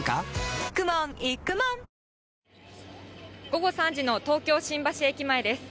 午後３時の東京・新橋駅前です。